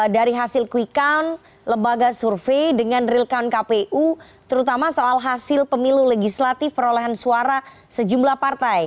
dari hasil quick count lembaga survei dengan real count kpu terutama soal hasil pemilu legislatif perolehan suara sejumlah partai